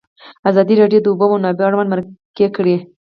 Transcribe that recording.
ازادي راډیو د د اوبو منابع اړوند مرکې کړي.